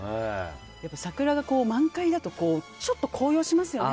やっぱ桜が満開だとちょっと高揚しますよね